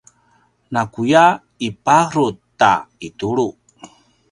nakuya iparut ta itulu